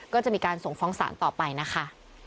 ก็จะมีการส่งฟ้องศาลต่อไปนะคะ